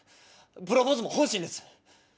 プロポーズも本心です。